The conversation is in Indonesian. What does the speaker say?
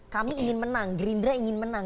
kami ingin menang gerindra ingin menang